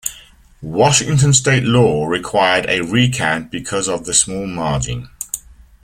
Washington State law required a recount because of the small margin.